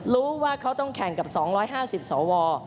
รู้ว่าเขาต้องแข่งกับ๒๕๐สว